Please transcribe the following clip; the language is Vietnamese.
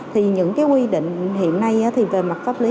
thì những cái quy định hiện nay thì về mặt pháp lý